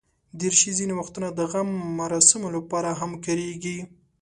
دریشي ځینې وختونه د غم مراسمو لپاره هم کارېږي.